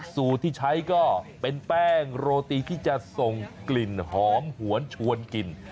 สูตรที่ใช้ก็เป็นแป้งโรตีที่จะส่งกลิ่นหอมหวนชวนกิน